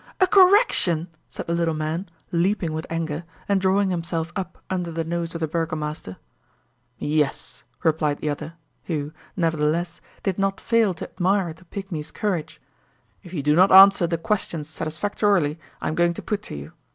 "A correction!" said the little man, leaping with anger, and drawing himself up under the nose of the burgomaster. "Yes," replied the other, who, nevertheless, did not fail to admire the pygmy's courage; "if you do not answer the questions satisfactorily I am going to put to you.